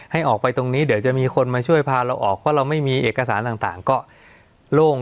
ให้ออกไปตรงนี้เดี๋ยวจะมีคนมาช่วยพาเราออกเพราะเราไม่มีเอกสารต่างก็โล่ง